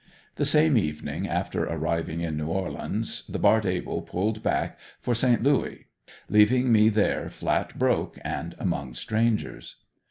The same evening after arriving in New Orleans the "Bart Able" pulled back, for Saint Louis, leaving me there flat broke and among strangers.